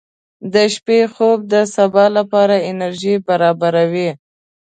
• د شپې خوب د سبا لپاره انرژي برابروي.